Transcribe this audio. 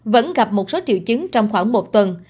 vẫn gặp một số triệu chứng trong khoảng một tuần